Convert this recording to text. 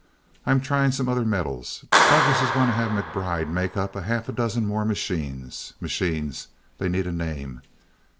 I'm trying some other metals. Douglass is going to have MacBride make up half a dozen more machines. Machines they need a name.